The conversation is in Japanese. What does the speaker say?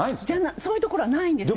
そういうところはないんですよ。